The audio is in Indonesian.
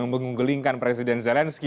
menggulingkan presiden zelensky